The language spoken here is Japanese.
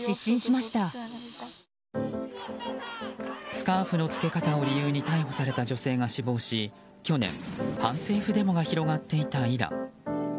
スカーフの着け方を理由に逮捕された女性が死亡し去年、反政府デモが広がっていたイラン。